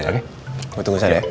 gue tunggu sana ya